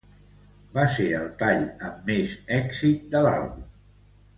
Va ser el tall amb més èxit de l'àlbum.